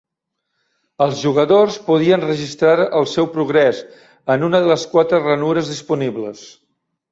Els jugadors podien registrar el seu progrés en una de les quatre ranures disponibles.